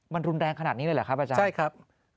มันรุนแรงขนาดนี้เลยเหรอครับอาจารย์ใช่ครับ